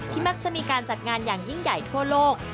มักจะมีการจัดงานอย่างยิ่งใหญ่ทั่วโลก